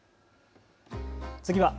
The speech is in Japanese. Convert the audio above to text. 次は＃